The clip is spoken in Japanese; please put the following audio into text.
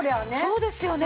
そうですよね。